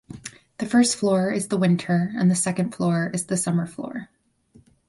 The first floor is the winter and the second floor is the summer floor.